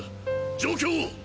状況を！